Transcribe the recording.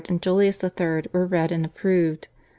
and Julius III. were read and approved.